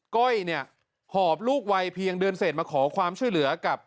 ก้อยเนี่ยหอบลูกวัยเพียงเดือนเศษมาขอความช่วยเหลือกับ